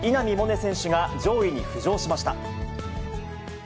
萌寧選手が上位に浮上しました。